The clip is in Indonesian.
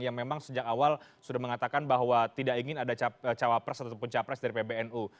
yang memang sejak awal sudah mengatakan bahwa tidak ingin ada cawapres ataupun capres dari pbnu